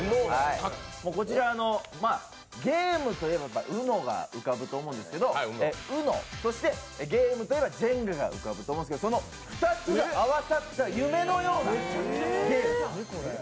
こちら、ゲームといえばＵＮＯが浮かぶと思うんですけど、ＵＮＯ、そしてゲームではジェンガが浮かぶと思うんですけどその２つが合わさった夢のようなゲーム。